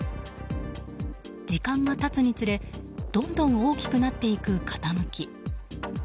時間が経つにつれどんどん大きくなっていく傾き。